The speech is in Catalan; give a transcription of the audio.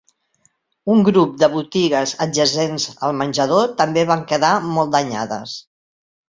Un grup de botigues adjacents al menjador també van quedar molt danyades.